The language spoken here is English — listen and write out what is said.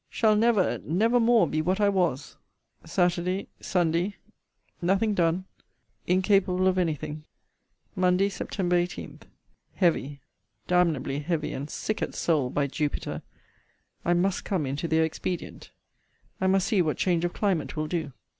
Shall never, never more be what I was! Saturday Sunday Nothing done. Incapable of any thing. MONDAY, SEPT. 18. Heavy, d n y heavy and sick at soul, by Jupiter! I must come into their expedient. I must see what change of climate will do.